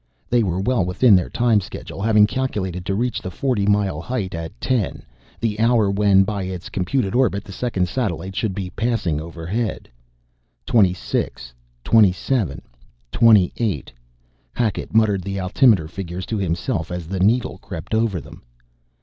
They were well within their time schedule, having calculated to reach the forty mile height at ten, the hour when, by its computed orbit, the second satellite should be passing overhead. " 26 27 28 " Hackett muttered the altimeter figures to himself as the needle crept over them.